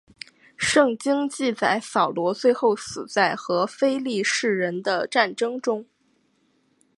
圣经记载扫罗最后死在和非利士人的战争中。